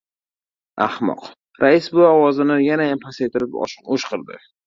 — Ahmoq! — Rais buva ovozini yanayam pasaytirib o‘shqirdi.